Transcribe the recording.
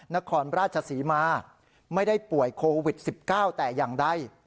นครราชศรีมาไม่ได้ป่วยโควิด๑๙แต่อย่างใด